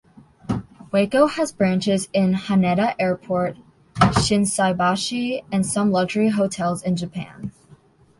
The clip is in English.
Wako has branches in Haneda Airport, Shinsaibashi, and some luxury hotels in Japan.